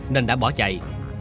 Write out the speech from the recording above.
nên đã bỏ chạy